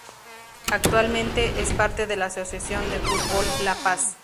Actualmente es parte de la asociación de fútbol La Paz.